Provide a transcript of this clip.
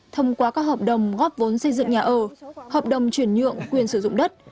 thông qua các hợp đồng góp vốn xây dựng nhà ở hợp đồng chuyển nhượng quyền sử dụng đất